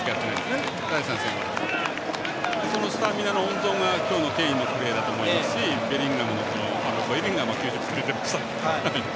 そのスタミナの温存が今日のケインのプレーだと思いますしベリンガムも９０分出てましたけど。